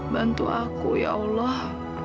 bantu aku ya allah